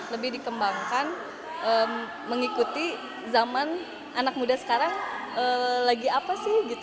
lebih dikembangkan mengikuti zaman anak muda sekarang lagi apa sih gitu